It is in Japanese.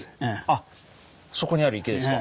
あっそこにある池ですか？